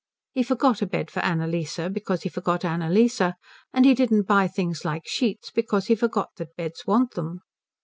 He forgot a bed for Annalise because he forgot Annalise; and he didn't buy things like sheets because he forgot that beds want them.